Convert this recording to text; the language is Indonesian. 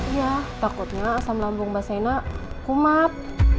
iya takutnya asam lambung mbak seina kumat